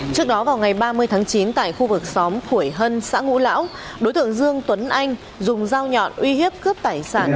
trước đó vào ngày ba mươi tháng chín tại khu vực xóm khuổi hân xã ngũ lão đối tượng dương tuấn anh dùng dao nhọn uy hiếp cướp tài sản